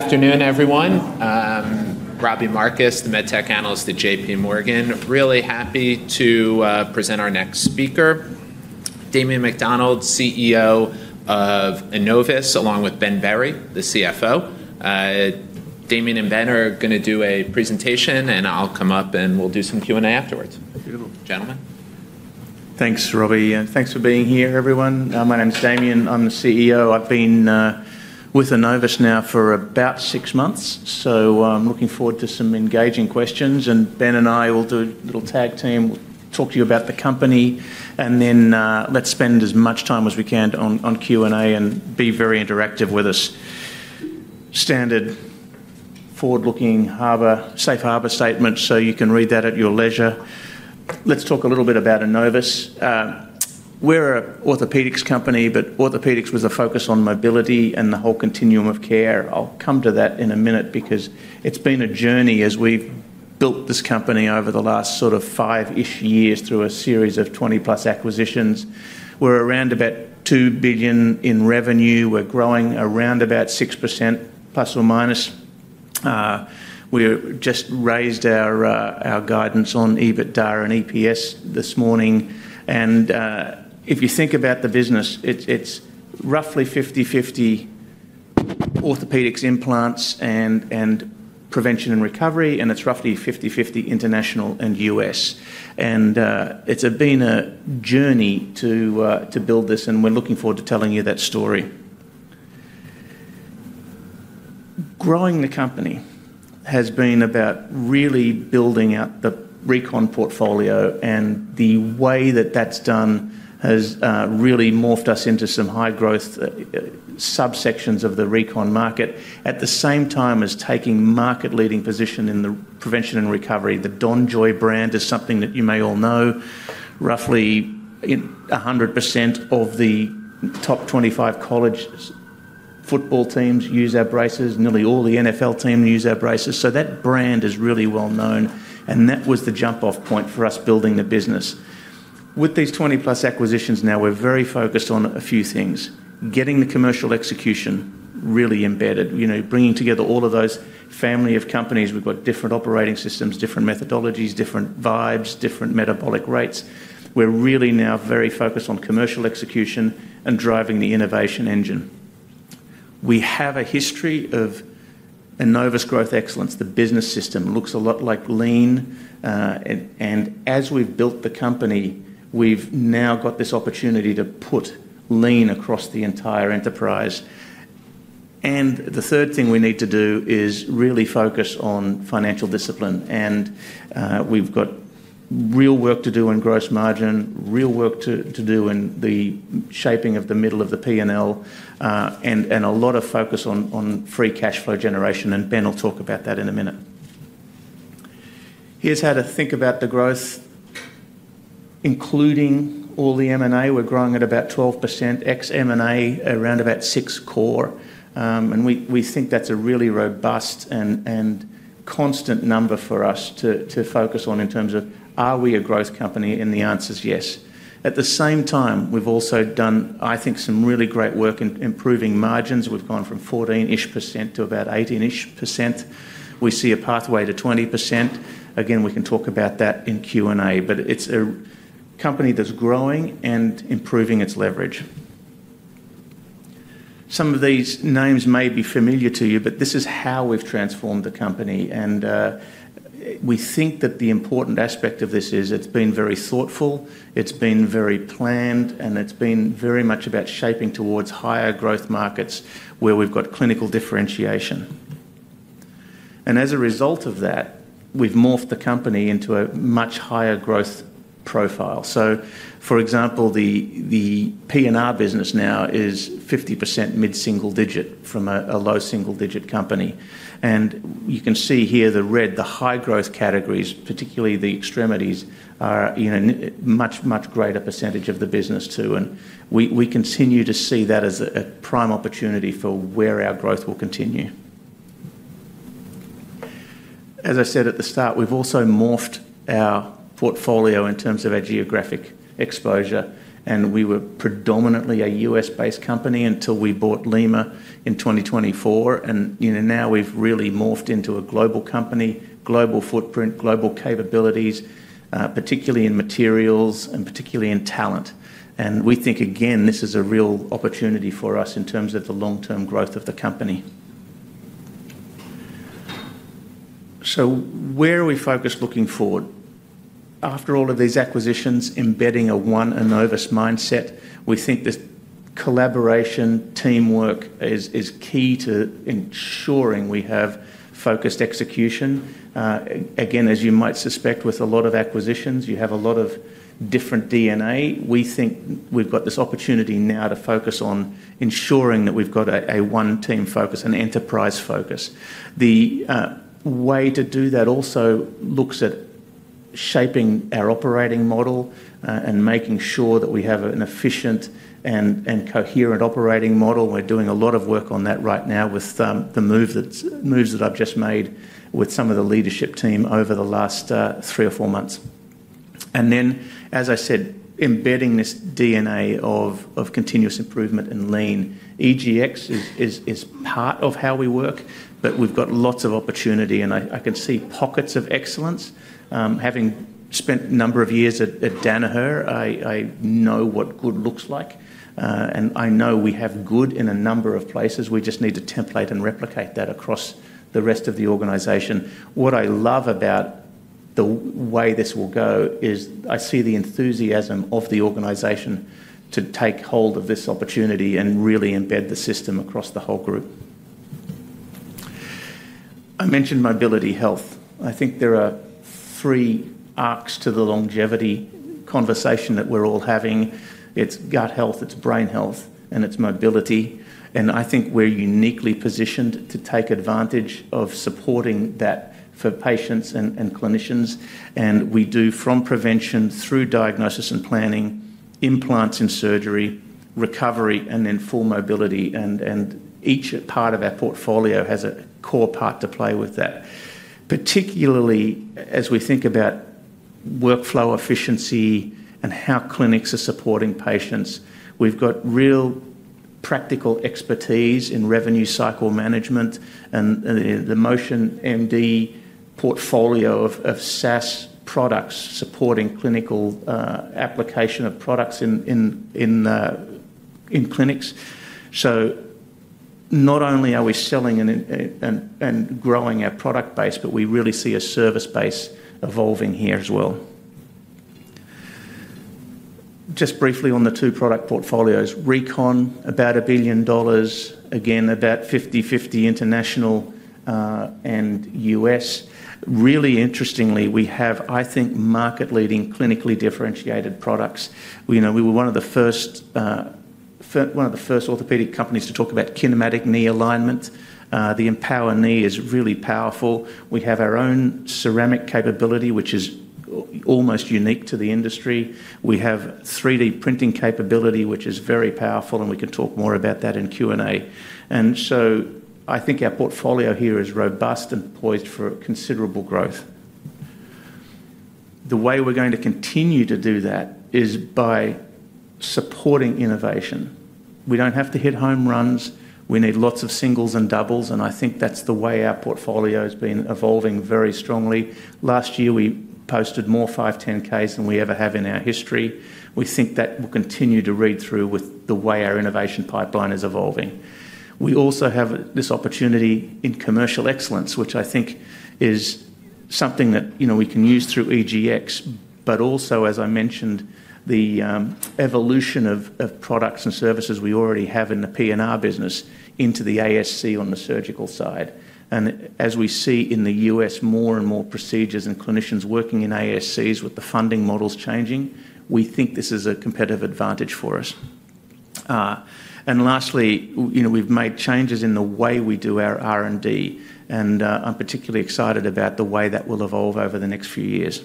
Afternoon, everyone. Robbie Marcus, the Medtech Analyst at JPMorgan. Really happy to present our next speaker, Damien McDonald, CEO of Enovis, along with Ben Berry, the CFO. Damien and Ben are going to do a presentation, and I'll come up and we'll do some Q&A afterwards. Beautiful. Gentlemen. Thanks, Robbie. Thanks for being here, everyone. My name is Damien. I'm the CEO. I've been with Enovis now for about six months, so I'm looking forward to some engaging questions. Ben and I will do a little tag team, talk to you about the company, and then let's spend as much time as we can on Q&A and be very interactive with us. Standard forward-looking safe harbor statement, so you can read that at your leisure. Let's talk a little bit about Enovis. We're an orthopedics company, but orthopedics with a focus on mobility and the whole continuum of care. I'll come to that in a minute because it's been a journey as we've built this company over the last sort of five-ish years through a series of 20+ acquisitions. We're around about $2 billion in revenue. We're growing around about 6%±. We just raised our guidance on EBITDA and EPS this morning. And if you think about the business, it's roughly 50/50 orthopedics implants and prevention and recovery, and it's roughly 50/50 international and US. And it's been a journey to build this, and we're looking forward to telling you that story. Growing the company has been about really building out the Recon portfolio, and the way that that's done has really morphed us into some high-growth subsections of the Recon market. At the same time as taking a market-leading position in the prevention and recovery, the DonJoy brand is something that you may all know. Roughly 100% of the top 25 college football teams use our braces. Nearly all the NFL teams use our braces. So that brand is really well known, and that was the jump-off point for us building the business. With these 20+ acquisitions now, we're very focused on a few things: getting the commercial execution really embedded, bringing together all of those family of companies. We've got different operating systems, different methodologies, different vibes, different metabolic rates. We're really now very focused on commercial execution and driving the innovation engine. We have a history of Enovis Growth Excellence. The business system looks a lot like lean, and as we've built the company, we've now got this opportunity to put lean across the entire enterprise, and the third thing we need to do is really focus on financial discipline. We've got real work to do in gross margin, real work to do in the shaping of the middle of the P&L, and a lot of focus on free cash flow generation. Ben will talk about that in a minute. Here's how to think about the growth, including all the M&A. We're growing at about 12%, ex-M&A around about 6% core. And we think that's a really robust and constant number for us to focus on in terms of, are we a growth company, and the answer's yes. At the same time, we've also done, I think, some really great work in improving margins. We've gone from 14-ish% to about 18-ish%. We see a pathway to 20%. Again, we can talk about that in Q&A, but it's a company that's growing and improving its leverage. Some of these names may be familiar to you, but this is how we've transformed the company, and we think that the important aspect of this is it's been very thoughtful, it's been very planned, and it's been very much about shaping towards higher growth markets where we've got clinical differentiation. And as a result of that, we've morphed the company into a much higher growth profile. So, for example, the P&R business now is 50% mid-single digit from a low single-digit company. And you can see here the red, the high-growth categories, particularly the extremities, are a much, much greater percentage of the business too. And we continue to see that as a prime opportunity for where our growth will continue. As I said at the start, we've also morphed our portfolio in terms of our geographic exposure. And we were predominantly a U.S.-based company until we bought LimaCorporate in 2024. And now we've really morphed into a global company, global footprint, global capabilities, particularly in materials and particularly in talent. And we think, again, this is a real opportunity for us in terms of the long-term growth of the company. So where are we focused looking forward? After all of these acquisitions, embedding a one Enovis mindset, we think this collaboration, teamwork is key to ensuring we have focused execution. Again, as you might suspect, with a lot of acquisitions, you have a lot of different DNA. We think we've got this opportunity now to focus on ensuring that we've got a one-team focus, an enterprise focus. The way to do that also looks at shaping our operating model and making sure that we have an efficient and coherent operating model. We're doing a lot of work on that right now with the moves that I've just made with some of the leadership team over the last three or four months. And then, as I said, embedding this DNA of continuous improvement and lean. EGX is part of how we work, but we've got lots of opportunity, and I can see pockets of excellence. Having spent a number of years at Danaher, I know what good looks like, and I know we have good in a number of places. We just need to template and replicate that across the rest of the organization. What I love about the way this will go is I see the enthusiasm of the organization to take hold of this opportunity and really embed the system across the whole group. I mentioned mobility health. I think there are three arcs to the longevity conversation that we're all having. It's gut health, it's brain health, and it's mobility. And I think we're uniquely positioned to take advantage of supporting that for patients and clinicians. And we do, from prevention through diagnosis and planning, implants and surgery, recovery, and then full mobility. And each part of our portfolio has a core part to play with that. Particularly as we think about workflow efficiency and how clinics are supporting patients, we've got real practical expertise in revenue cycle management and the MotionMD portfolio of SaaS products supporting clinical application of products in clinics, so not only are we selling and growing our product base, but we really see a service base evolving here as well, just briefly on the two product portfolios. Recon, about $1 billion, again, about 50/50 international and U.S., really interestingly, we have, I think, market-leading clinically differentiated products. We were one of the first orthopedic companies to talk about kinematic knee alignment. The EMPOWR Knee is really powerful. We have our own ceramic capability, which is almost unique to the industry. We have 3D printing capability, which is very powerful, and we can talk more about that in Q&A, and so I think our portfolio here is robust and poised for considerable growth. The way we're going to continue to do that is by supporting innovation. We don't have to hit home runs. We need lots of singles and doubles, and I think that's the way our portfolio has been evolving very strongly. Last year, we posted more 510(k)s than we ever have in our history. We think that will continue to read through with the way our innovation pipeline is evolving. We also have this opportunity in commercial excellence, which I think is something that we can use through EGX, but also, as I mentioned, the evolution of products and services we already have in the P&R business into the ASC on the surgical side. And as we see in the US more and more procedures and clinicians working in ASCs with the funding models changing, we think this is a competitive advantage for us. Lastly, we've made changes in the way we do our R&D, and I'm particularly excited about the way that will evolve over the next few years.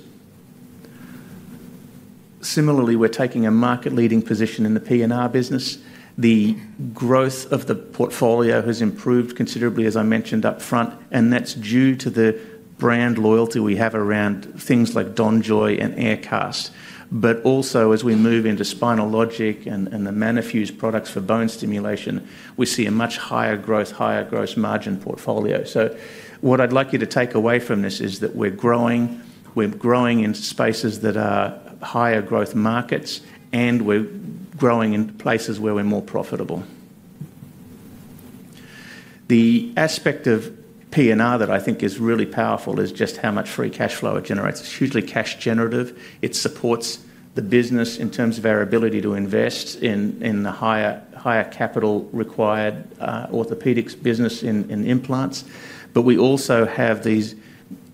Similarly, we're taking a market-leading position in the P&R business. The growth of the portfolio has improved considerably, as I mentioned upfront, and that's due to the brand loyalty we have around things like DonJoy and Aircast. Also, as we move into Spinalogic and the Manafuse products for bone stimulation, we see a much higher growth, higher gross margin portfolio. What I'd like you to take away from this is that we're growing. We're growing in spaces that are higher growth markets, and we're growing in places where we're more profitable. The aspect of P&R that I think is really powerful is just how much free cash flow it generates. It's hugely cash generative. It supports the business in terms of our ability to invest in the higher capital-required orthopedics business in implants. But we also have these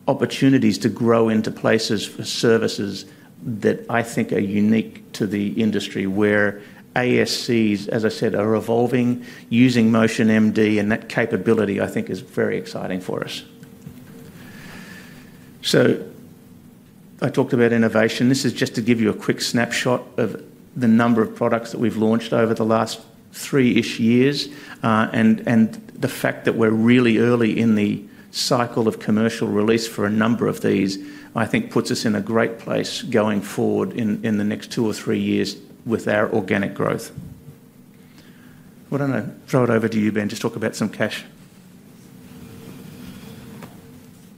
opportunities to grow into places for services that I think are unique to the industry where ASCs, as I said, are evolving using MotionMD, and that capability, I think, is very exciting for us. So I talked about innovation. This is just to give you a quick snapshot of the number of products that we've launched over the last three-ish years. And the fact that we're really early in the cycle of commercial release for a number of these, I think, puts us in a great place going forward in the next two or three years with our organic growth. Why don't I throw it over to you, Ben, just talk about some cash?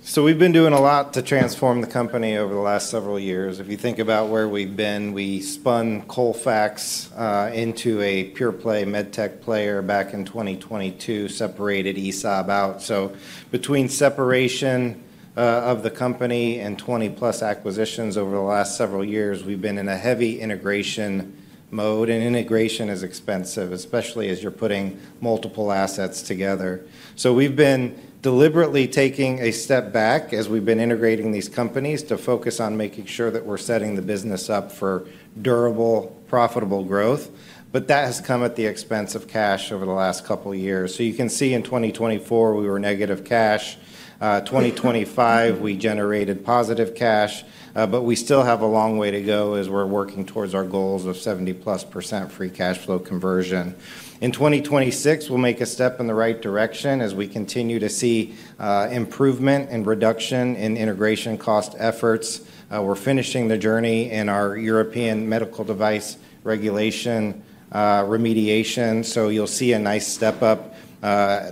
So we've been doing a lot to transform the company over the last several years. If you think about where we've been, we spun Colfax into a pure-play medtech player back in 2022, separated ESAB out. So between separation of the company and 20+ acquisitions over the last several years, we've been in a heavy integration mode. And integration is expensive, especially as you're putting multiple assets together. So we've been deliberately taking a step back as we've been integrating these companies to focus on making sure that we're setting the business up for durable, profitable growth. But that has come at the expense of cash over the last couple of years. So you can see in 2024, we were negative cash. 2025, we generated positive cash, but we still have a long way to go as we're working towards our goals of 70+% free cash flow conversion. In 2026, we'll make a step in the right direction as we continue to see improvement and reduction in integration cost efforts. We're finishing the journey in our European medical device regulation remediation, so you'll see a nice step up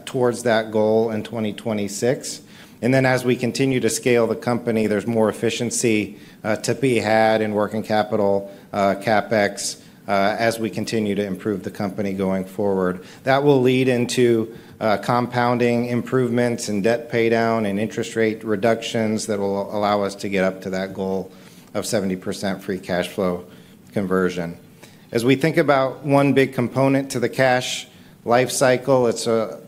towards that goal in 2026, and then as we continue to scale the company, there's more efficiency to be had in working capital, CapEx, as we continue to improve the company going forward. That will lead into compounding improvements and debt paydown and interest rate reductions that will allow us to get up to that goal of 70% free cash flow conversion. As we think about one big component to the cash lifecycle, it's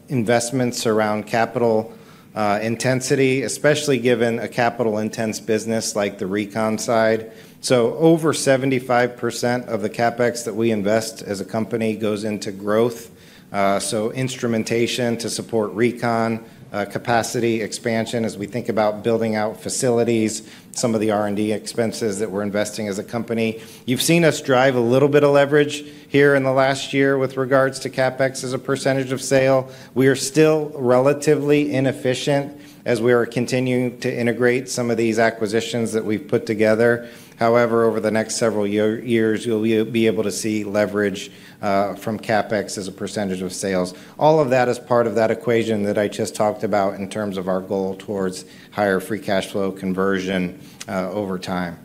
investments around capital intensity, especially given a capital-intense business like the Recon side, so over 75% of the CapEx that we invest as a company goes into growth. So instrumentation to support Recon capacity expansion as we think about building out facilities, some of the R&D expenses that we're investing as a company. You've seen us drive a little bit of leverage here in the last year with regards to CapEx as a percentage of sales. We are still relatively inefficient as we are continuing to integrate some of these acquisitions that we've put together. However, over the next several years, you'll be able to see leverage from CapEx as a percentage of sales. All of that is part of that equation that I just talked about in terms of our goal towards higher free cash flow conversion over time.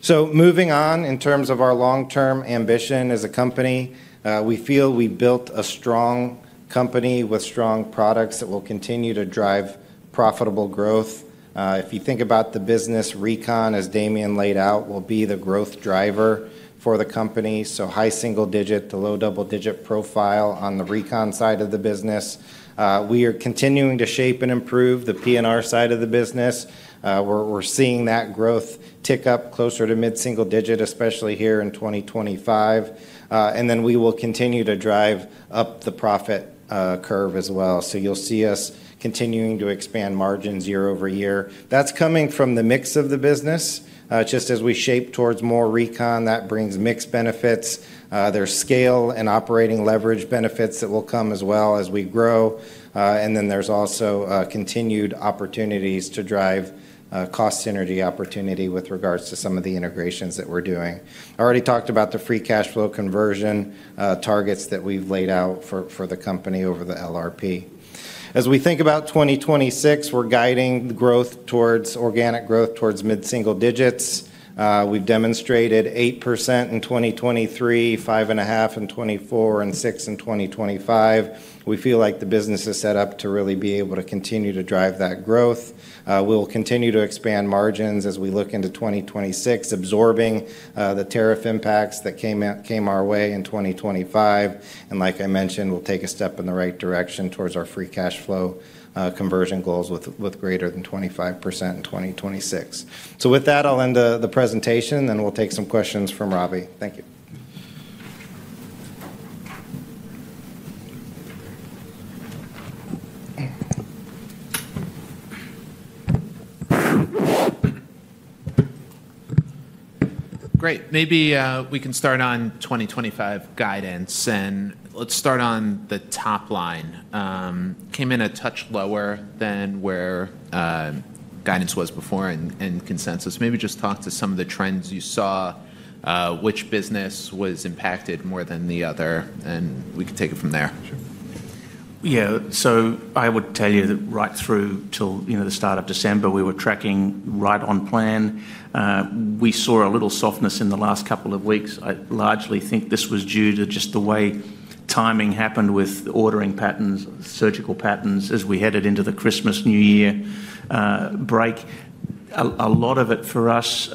So moving on, in terms of our long-term ambition as a company, we feel we built a strong company with strong products that will continue to drive profitable growth. If you think about the business, Recon as Damien laid out, will be the growth driver for the company, so high single-digit to low double-digit profile on the Recon side of the business. We are continuing to shape and improve the P&R side of the business. We're seeing that growth tick up closer to mid-single digit, especially here in 2025, and then we will continue to drive up the profit curve as well, so you'll see us continuing to expand margins year-over-year. That's coming from the mix of the business. Just as we shape towards more Recon that brings mixed benefits. There's scale and operating leverage benefits that will come as well as we grow, and then there's also continued opportunities to drive cost synergy opportunity with regards to some of the integrations that we're doing. I already talked about the free cash flow conversion targets that we've laid out for the company over the LRP. As we think about 2026, we're guiding growth towards organic growth towards mid-single digits. We've demonstrated 8% in 2023, 5.5% in 2024, and 6% in 2025. We feel like the business is set up to really be able to continue to drive that growth. We'll continue to expand margins as we look into 2026, absorbing the tariff impacts that came our way in 2025, and like I mentioned, we'll take a step in the right direction towards our free cash flow conversion goals with greater than 25% in 2026, so with that, I'll end the presentation, and we'll take some questions from Robbie. Thank you. Great. Maybe we can start on 2025 guidance, and let's start on the top line came in a touch lower than where guidance was before and consensus. Maybe just talk to some of the trends you saw, which business was impacted more than the other, and we can take it from there. Sure. Yeah. So I would tell you that right through till the start of December, we were tracking right on plan. We saw a little softness in the last couple of weeks. I largely think this was due to just the way timing happened with ordering patterns, surgical patterns as we headed into the Christmas/New Year break. A lot of it for us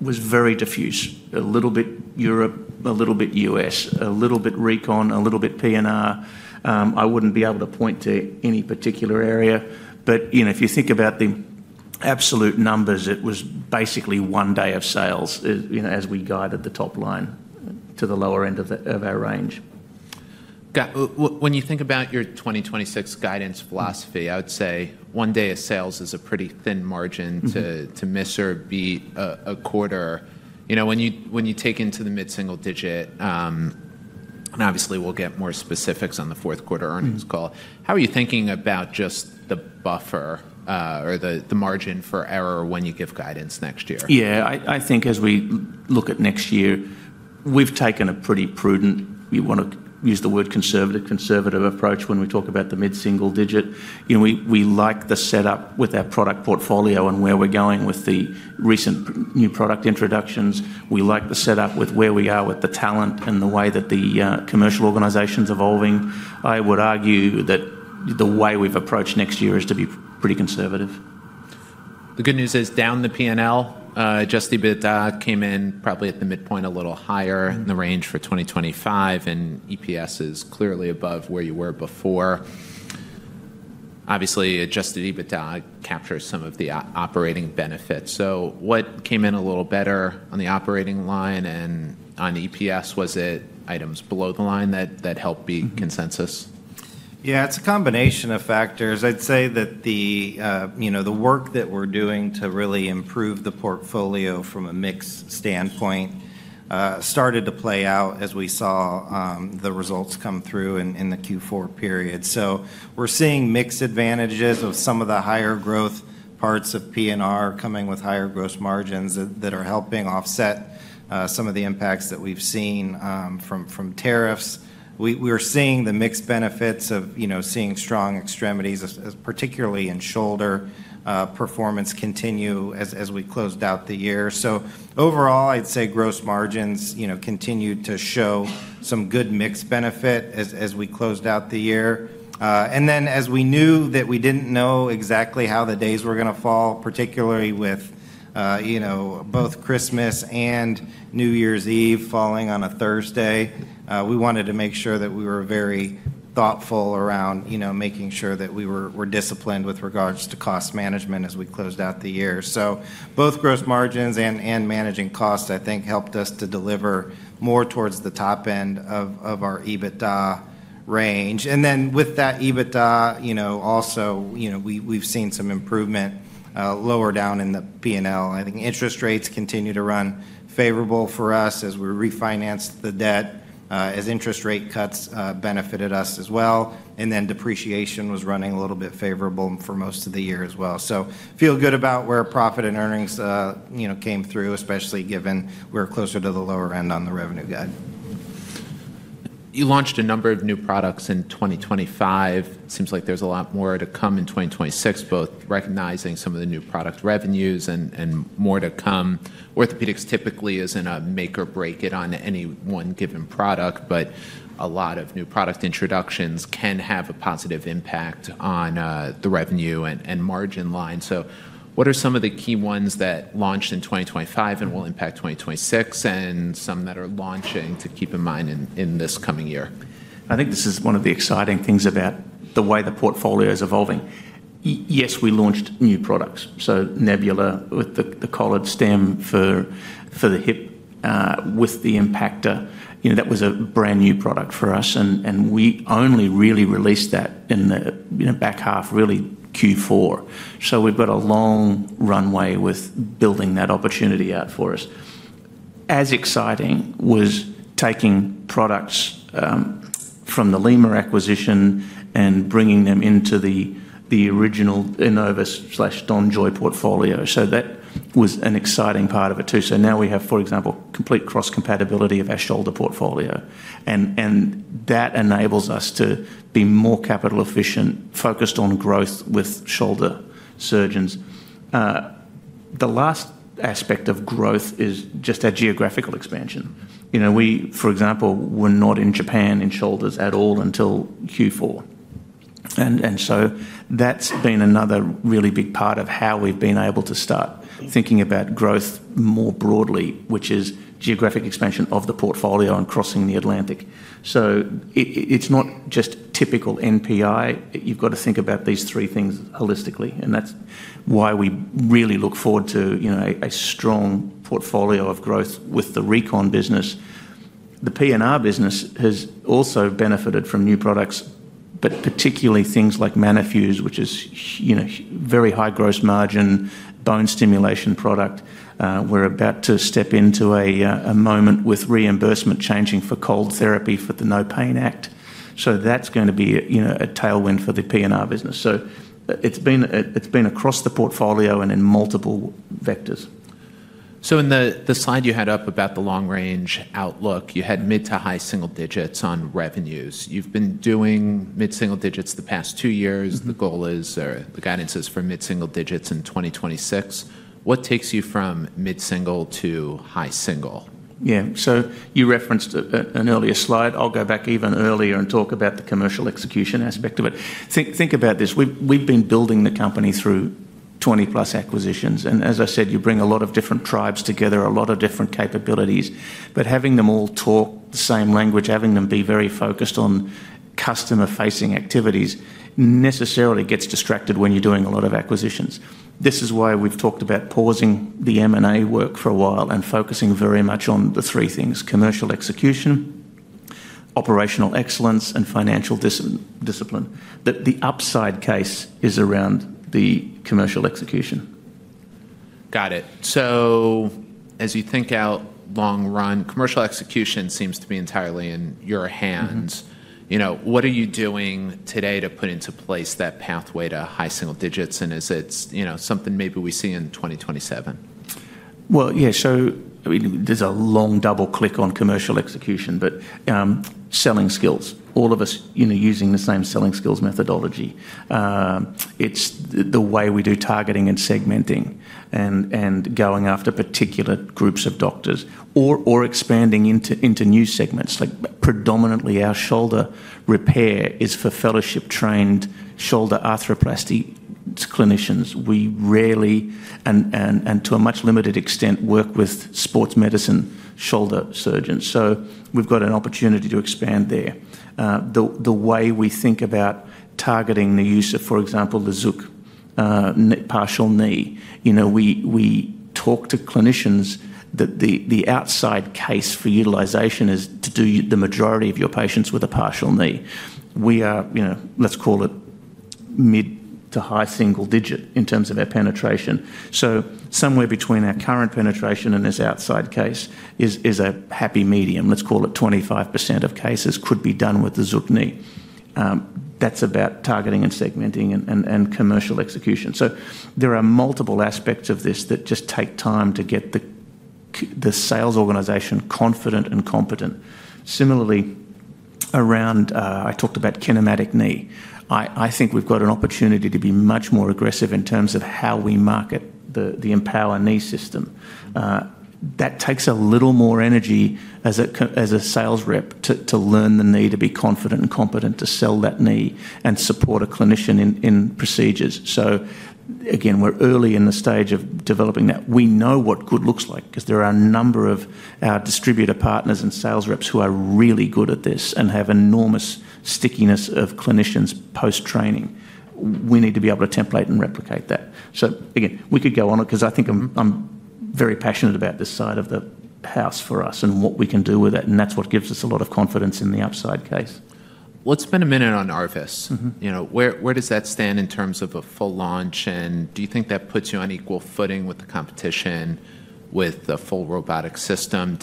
was very diffuse. A little bit Europe, a little bit U.S., a little bit Recon, a little bit P&R. I wouldn't be able to point to any particular area. But if you think about the absolute numbers, it was basically one day of sales as we guided the top line to the lower end of our range. When you think about your 2026 guidance philosophy, I would say one day of sales is a pretty thin margin to miss or beat a quarter. When you take into the mid-single digit, and obviously we'll get more specifics on the fourth quarter earnings call, how are you thinking about just the buffer or the margin for error when you give guidance next year? Yeah. I think as we look at next year, we've taken a pretty prudent, we want to use the word conservative, conservative approach when we talk about the mid-single digit. We like the setup with our product portfolio and where we're going with the recent new product introductions. We like the setup with where we are with the talent and the way that the commercial organization's evolving. I would argue that the way we've approached next year is to be pretty conservative. The good news is down the P&L, adjusted EBITDA came in probably at the midpoint a little higher in the range for 2025, and EPS is clearly above where you were before. Obviously, adjusted EBITDA captures some of the operating benefits. So what came in a little better on the operating line and on EPS? Was it items below the line that helped beat consensus? Yeah. It's a combination of factors. I'd say that the work that we're doing to really improve the portfolio from a mixed standpoint started to play out as we saw the results come through in the Q4 period. So we're seeing mixed advantages of some of the higher growth parts of P&R coming with higher gross margins that are helping offset some of the impacts that we've seen from tariffs. We were seeing the mixed benefits of seeing strong extremities, particularly in shoulder performance continue as we closed out the year. So overall, I'd say gross margins continued to show some good mixed benefit as we closed out the year. And then as we knew that we didn't know exactly how the days were going to fall, particularly with both Christmas and New Year's Eve falling on a Thursday, we wanted to make sure that we were very thoughtful around making sure that we were disciplined with regards to cost management as we closed out the year, so both gross margins and managing costs, I think, helped us to deliver more towards the top end of our EBITDA range, and then with that EBITDA, also we've seen some improvement lower down in the P&L. I think interest rates continue to run favorable for us as we refinanced the debt, as interest rate cuts benefited us as well, and then depreciation was running a little bit favorable for most of the year as well. Feel good about where profit and earnings came through, especially given we're closer to the lower end on the revenue guide. You launched a number of new products in 2025. It seems like there's a lot more to come in 2026, both recognizing some of the new product revenues and more to come. Orthopedics typically isn't a make or break it on any one given product, but a lot of new product introductions can have a positive impact on the revenue and margin line. So what are some of the key ones that launched in 2025 and will impact 2026 and some that are launching to keep in mind in this coming year? I think this is one of the exciting things about the way the portfolio is evolving. Yes, we launched new products. So Nebula with the collared stem for the hip with the impactor. That was a brand new product for us, and we only really released that in the back half, really Q4. So we've got a long runway with building that opportunity out for us. As exciting was taking products from the Lima acquisition and bringing them into the original Enovis/DonJoy portfolio. So that was an exciting part of it too. So now we have, for example, complete cross-compatibility of our shoulder portfolio. And that enables us to be more capital efficient, focused on growth with shoulder surgeons. The last aspect of growth is just our geographical expansion. We, for example, were not in Japan in shoulders at all until Q4. And so that's been another really big part of how we've been able to start thinking about growth more broadly, which is geographic expansion of the portfolio and crossing the Atlantic. So it's not just typical NPI. You've got to think about these three things holistically. And that's why we really look forward to a strong portfolio of growth with the Recon business. The P&R business has also benefited from new products, but particularly things like Manafuse, which is a very high gross margin bone stimulation product. We're about to step into a moment with reimbursement changing for cold therapy for the NOPAIN Act. So that's going to be a tailwind for the P&R business. So it's been across the portfolio and in multiple vectors. So in the slide you had up about the long-range outlook, you had mid to high single digits on revenues. You've been doing mid-single digits the past two years. The goal is or the guidance is for mid-single digits in 2026. What takes you from mid-single to high single? Yeah. So you referenced an earlier slide. I'll go back even earlier and talk about the commercial execution aspect of it. Think about this. We've been building the company through 20+ acquisitions. And as I said, you bring a lot of different tribes together, a lot of different capabilities. But having them all talk the same language, having them be very focused on customer-facing activities necessarily gets distracted when you're doing a lot of acquisitions. This is why we've talked about pausing the M&A work for a while and focusing very much on the three things: commercial execution, operational excellence, and financial discipline. The upside case is around the commercial execution. Got it. So as you think about the long run, commercial execution seems to be entirely in your hands. What are you doing today to put into place that pathway to high single digits? And is it something maybe we see in 2027? Yeah. So there's a long double-click on commercial execution, but selling skills. All of us using the same selling skills methodology. It's the way we do targeting and segmenting and going after particular groups of doctors or expanding into new segments. Predominantly, our shoulder repair is for fellowship-trained shoulder arthroplasty clinicians. We rarely, and to a much limited extent, work with sports medicine shoulder surgeons. So we've got an opportunity to expand there. The way we think about targeting the use of, for example, the ZUK partial knee, we talk to clinicians that the outside case for utilization is to do the majority of your patients with a partial knee. We are, let's call it mid- to high-single-digit in terms of our penetration. So somewhere between our current penetration and this outside case is a happy medium. Let's call it 25% of cases could be done with the ZUK knee. That's about targeting and segmenting and commercial execution. So there are multiple aspects of this that just take time to get the sales organization confident and competent. Similarly, around I talked about kinematic knee. I think we've got an opportunity to be much more aggressive in terms of how we market the EMPOWR Knee system. That takes a little more energy as a sales rep to learn the knee to be confident and competent to sell that knee and support a clinician in procedures. So again, we're early in the stage of developing that. We know what good looks like because there are a number of our distributor partners and sales reps who are really good at this and have enormous stickiness of clinicians post-training. We need to be able to template and replicate that. So again, we could go on it because I think I'm very passionate about this side of the house for us and what we can do with it. And that's what gives us a lot of confidence in the upside case. Let's spend a minute on ARVIS. Where does that stand in terms of a full launch? And do you think that puts you on equal footing with the competition with the full robotic system?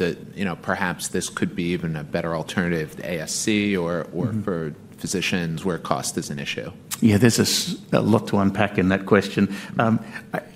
Perhaps this could be even a better alternative to ASC or for physicians where cost is an issue. Yeah. There's a lot to unpack in that question.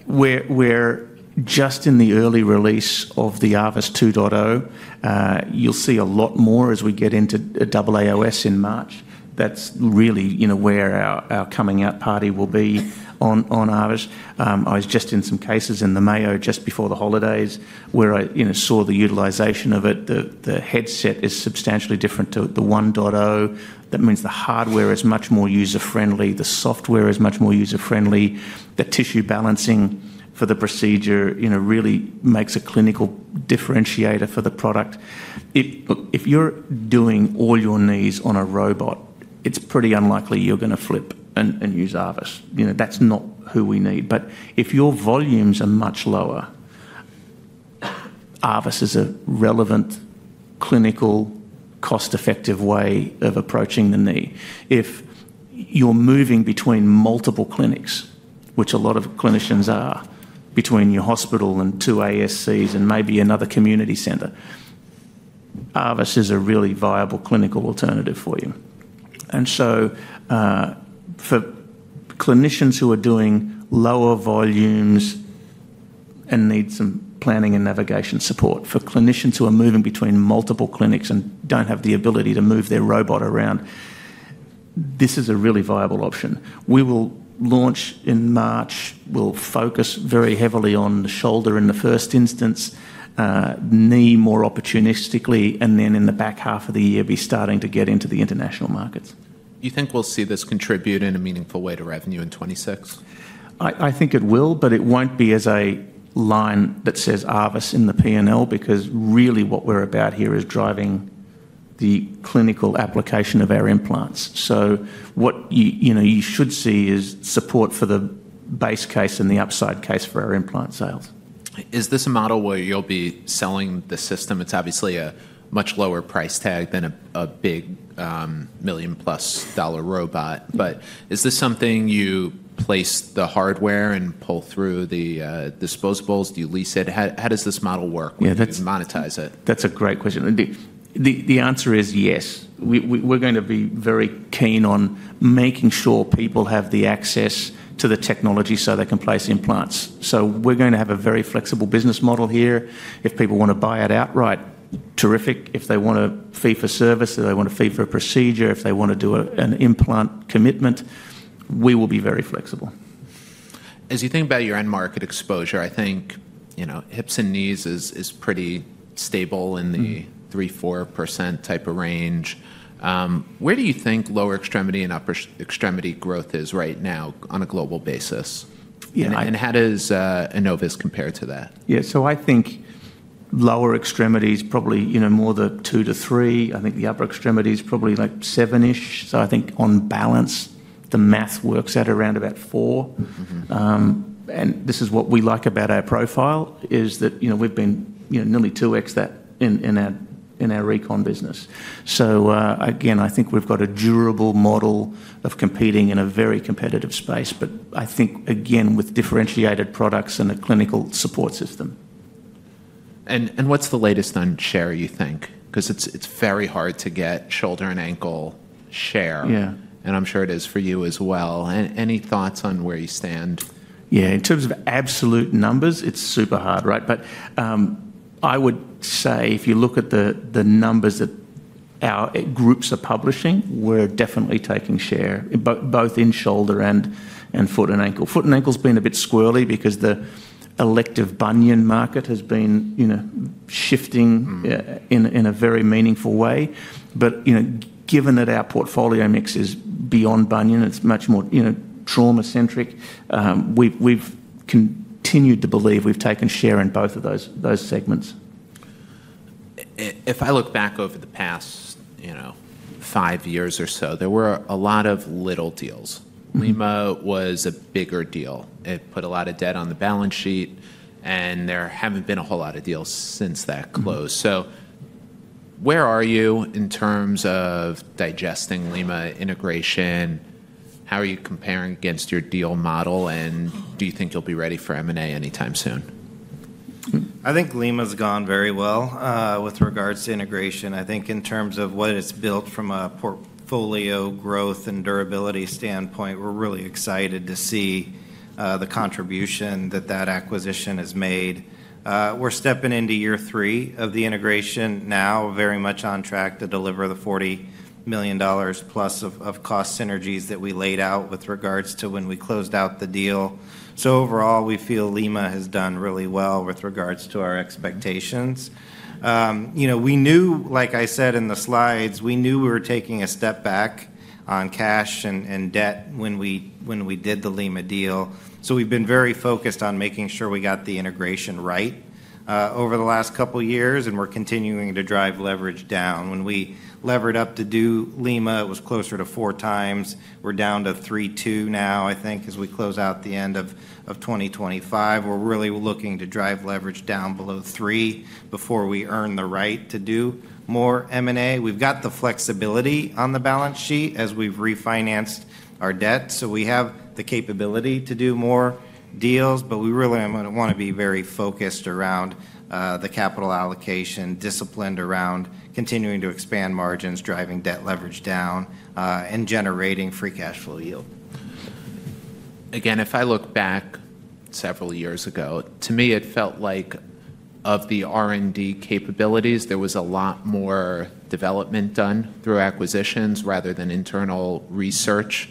We're just in the early release of the ARVIS 2.0. You'll see a lot more as we get into AAOS in March. That's really where our coming out party will be on ARVIS. I was just in some cases in the Mayo Clinic just before the holidays where I saw the utilization of it. The headset is substantially different to the 1.0. That means the hardware is much more user-friendly. The software is much more user-friendly. The tissue balancing for the procedure really makes a clinical differentiator for the product. If you're doing all your knees on a robot, it's pretty unlikely you're going to flip and use ARVIS. That's not who we need. But if your volumes are much lower, ARVIS is a relevant clinical cost-effective way of approaching the knee. If you're moving between multiple clinics, which a lot of clinicians are, between your hospital and two ASCs and maybe another community center, ARVIS is a really viable clinical alternative for you, and so for clinicians who are doing lower volumes and need some planning and navigation support, for clinicians who are moving between multiple clinics and don't have the ability to move their robot around, this is a really viable option. We will launch in March. We'll focus very heavily on the shoulder in the first instance, knee more opportunistically, and then in the back half of the year, be starting to get into the international markets. Do you think we'll see this contribute in a meaningful way to revenue in 2026? I think it will, but it won't be as a line that says ARVIS in the P&L because really what we're about here is driving the clinical application of our implants. So what you should see is support for the base case and the upside case for our implant sales. Is this a model where you'll be selling the system? It's obviously a much lower price tag than a big $1 million+ robot. But is this something you place the hardware and pull through the disposables? Do you lease it? How does this model work? How do you monetize it? That's a great question. The answer is yes. We're going to be very keen on making sure people have the access to the technology so they can place implants. So we're going to have a very flexible business model here. If people want to buy it outright, terrific. If they want to fee for service, if they want to fee for a procedure, if they want to do an implant commitment, we will be very flexible. As you think about your end market exposure, I think hips and knees is pretty stable in the 3%-4% type of range. Where do you think lower extremity and upper extremity growth is right now on a global basis? And how does Enovis compare to that? Yeah. So I think lower extremities probably more the two to three. I think the upper extremities probably like seven-ish. So I think on balance, the math works out around about four. And this is what we like about our profile is that we've been nearly 2x that in our Recon business. So again, I think we've got a durable model of competing in a very competitive space, but I think, again, with differentiated products and a clinical support system. And what's the latest on share, you think? Because it's very hard to get shoulder and ankle share. And I'm sure it is for you as well. Any thoughts on where you stand? Yeah. In terms of absolute numbers, it's super hard, right? But I would say if you look at the numbers that our groups are publishing, we're definitely taking share, both in shoulder and foot and ankle. Foot and ankle has been a bit squirrely because the elective bunion market has been shifting in a very meaningful way. But given that our portfolio mix is beyond bunion, it's much more trauma-centric, we've continued to believe we've taken share in both of those segments. If I look back over the past five years or so, there were a lot of little deals. Lima was a bigger deal. It put a lot of debt on the balance sheet, and there haven't been a whole lot of deals since that close. So where are you in terms of digesting Lima integration? How are you comparing against your deal model? And do you think you'll be ready for M&A anytime soon? I think Lima has gone very well with regards to integration. I think in terms of what it's built from a portfolio growth and durability standpoint, we're really excited to see the contribution that that acquisition has made. We're stepping into year three of the integration now, very much on track to deliver the $40 million plus of cost synergies that we laid out with regards to when we closed out the deal. So overall, we feel Lima has done really well with regards to our expectations. We knew, like I said in the slides, we knew we were taking a step back on cash and debt when we did the Lima deal. So we've been very focused on making sure we got the integration right over the last couple of years, and we're continuing to drive leverage down. When we levered up to do Lima, it was closer to four times. We're down to 3.2 now, I think, as we close out the end of 2025. We're really looking to drive leverage down below three before we earn the right to do more M&A. We've got the flexibility on the balance sheet as we've refinanced our debt. So we have the capability to do more deals, but we really want to be very focused around the capital allocation, disciplined around continuing to expand margins, driving debt leverage down, and generating free cash flow yield. Again, if I look back several years ago, to me, it felt like of the R&D capabilities, there was a lot more development done through acquisitions rather than internal research.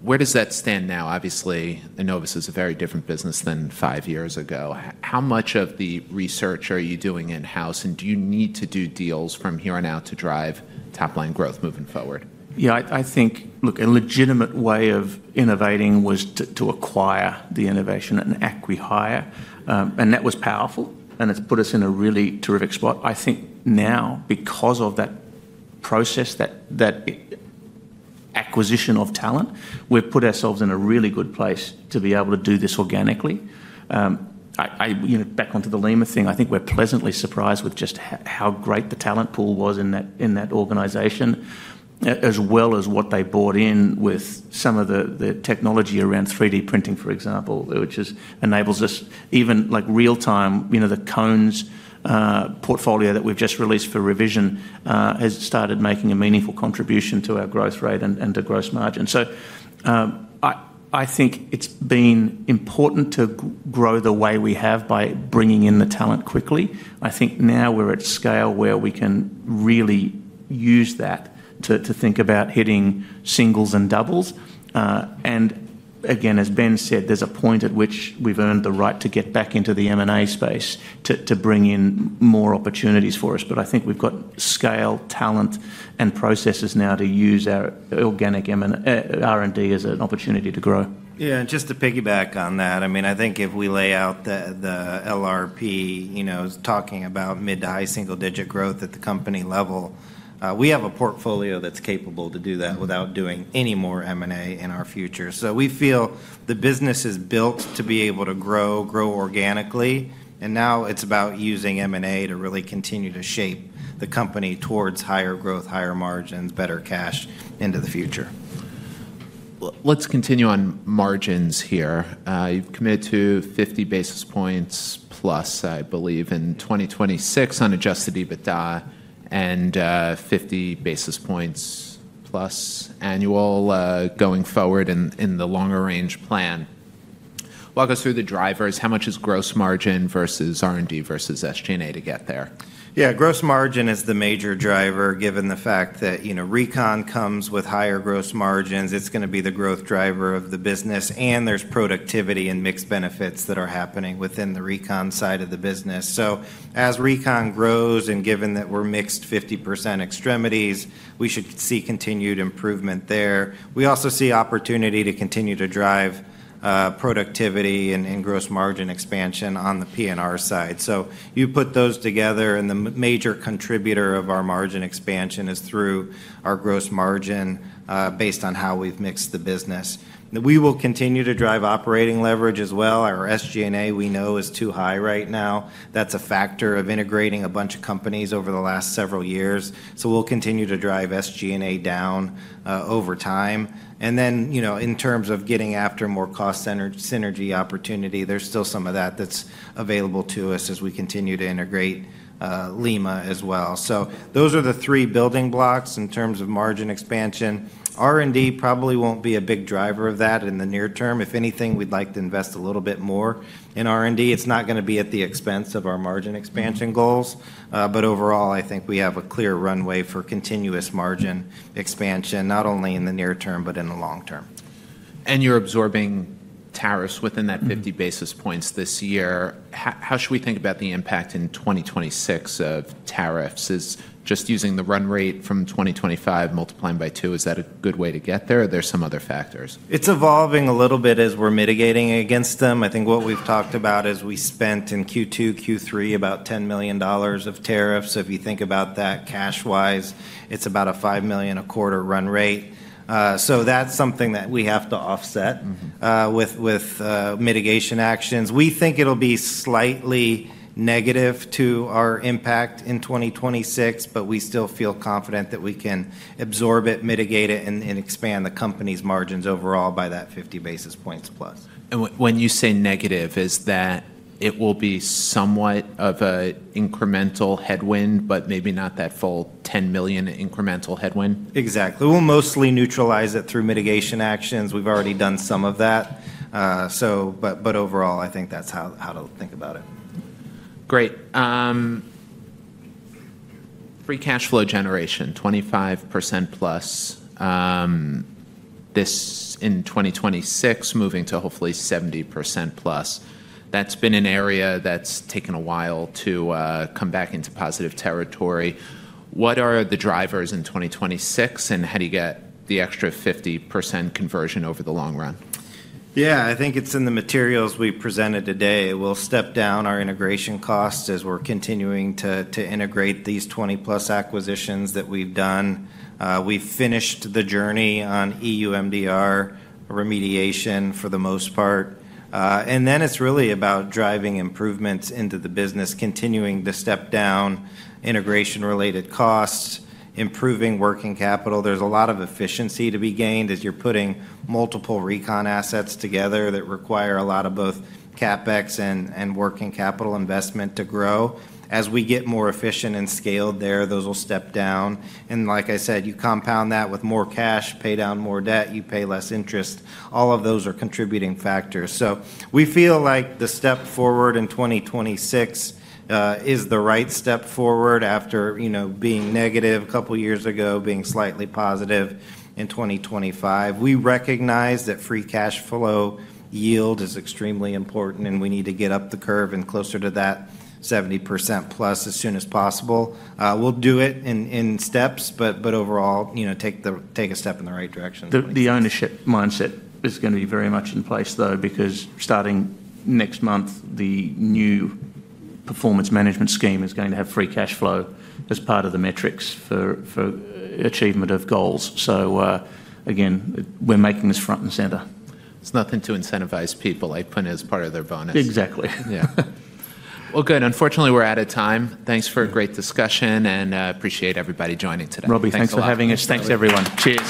Where does that stand now? Obviously, Enovis is a very different business than five years ago. How much of the research are you doing in-house, and do you need to do deals from here on out to drive top-line growth moving forward? Yeah. I think, look, a legitimate way of innovating was to acquire the innovation and acquire. And that was powerful, and it's put us in a really terrific spot. I think now, because of that process, that acquisition of talent, we've put ourselves in a really good place to be able to do this organically. Back onto the Lima thing, I think we're pleasantly surprised with just how great the talent pool was in that organization, as well as what they brought in with some of the technology around 3D printing, for example, which enables us even real-time. The Cones portfolio that we've just released for Revision has started making a meaningful contribution to our growth rate and to gross margin. So I think it's been important to grow the way we have by bringing in the talent quickly. I think now we're at scale where we can really use that to think about hitting singles and doubles. And again, as Ben said, there's a point at which we've earned the right to get back into the M&A space to bring in more opportunities for us. But I think we've got scale, talent, and processes now to use our organic R&D as an opportunity to grow. Yeah, and just to piggyback on that, I mean, I think if we lay out the LRP, talking about mid- to high single-digit growth at the company level, we have a portfolio that's capable to do that without doing any more M&A in our future. So we feel the business is built to be able to grow organically, and now it's about using M&A to really continue to shape the company towards higher growth, higher margins, better cash into the future. Let's continue on margins here. You've committed to 50 basis points+, I believe, in 2026 on adjusted EBITDA and 50 basis points plus annual going forward in the longer-range plan. Walk us through the drivers. How much is gross margin versus R&D versus SG&A to get there? Yeah. Gross margin is the major driver given the fact that Recon comes with higher gross margins. It's going to be the growth driver of the business. And there's productivity and mixed benefits that are happening within the Recon side of the business. So as Recon grows and given that we're mixed 50% extremities, we should see continued improvement there. We also see opportunity to continue to drive productivity and gross margin expansion on the P&R side. So you put those together, and the major contributor of our margin expansion is through our gross margin based on how we've mixed the business. We will continue to drive operating leverage as well. Our SG&A, we know, is too high right now. That's a factor of integrating a bunch of companies over the last several years. So we'll continue to drive SG&A down over time. And then in terms of getting after more cost synergy opportunity, there's still some of that that's available to us as we continue to integrate Lima as well. So those are the three building blocks in terms of margin expansion. R&D probably won't be a big driver of that in the near term. If anything, we'd like to invest a little bit more in R&D. It's not going to be at the expense of our margin expansion goals. But overall, I think we have a clear runway for continuous margin expansion, not only in the near term, but in the long term. You're absorbing tariffs within that 50 basis points this year. How should we think about the impact in 2026 of tariffs? Just using the run rate from 2025, multiplying by two, is that a good way to get there? Are there some other factors? It's evolving a little bit as we're mitigating against them. I think what we've talked about is we spent in Q2, Q3 about $10 million of tariffs. If you think about that cash-wise, it's about a $5 million a quarter run rate. So that's something that we have to offset with mitigation actions. We think it'll be slightly negative to our impact in 2026, but we still feel confident that we can absorb it, mitigate it, and expand the company's margins overall by that 50 basis points+. When you say negative, is that it will be somewhat of an incremental headwind, but maybe not that full $10 million incremental headwind? Exactly. We'll mostly neutralize it through mitigation actions. We've already done some of that. But overall, I think that's how to think about it. Great. Free cash flow generation, 25%+. This in 2026, moving to hopefully 70%+. That's been an area that's taken a while to come back into positive territory. What are the drivers in 2026, and how do you get the extra 50% conversion over the long run? Yeah. I think it's in the materials we presented today. We'll step down our integration costs as we're continuing to integrate these 20+ acquisitions that we've done. We've finished the journey on EUMDR remediation for the most part. And then it's really about driving improvements into the business, continuing to step down integration-related costs, improving working capital. There's a lot of efficiency to be gained as you're putting multiple Recon assets together that require a lot of both CapEx and working capital investment to grow. As we get more efficient and scaled there, those will step down. And like I said, you compound that with more cash, pay down more debt, you pay less interest. All of those are contributing factors. So we feel like the step forward in 2026 is the right step forward after being negative a couple of years ago, being slightly positive in 2025. We recognize that free cash flow yield is extremely important, and we need to get up the curve and closer to that 70%+ as soon as possible. We'll do it in steps, but overall, take a step in the right direction. The ownership mindset is going to be very much in place, though, because starting next month, the new performance management scheme is going to have free cash flow as part of the metrics for achievement of goals. So again, we're making this front and center. There's nothing to incentivize people, they put it as part of their bonus. Exactly. Yeah. Well, good. Unfortunately, we're out of time. Thanks for a great discussion, and I appreciate everybody joining today. Robbie, thanks for having us. Thanks, everyone. Cheers.